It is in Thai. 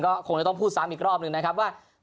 ก็คงจะต้องพูดซ้ำอีกรอบหนึ่งนะครับว่า